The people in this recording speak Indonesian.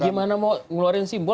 gimana mau ngeluarin simbol